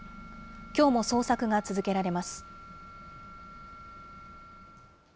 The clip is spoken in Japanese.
きょうも捜索が続けられます。